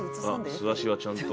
素足がちゃんと。